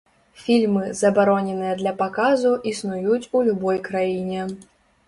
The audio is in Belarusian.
Фільмы, забароненыя для паказу, існуюць у любой краіне.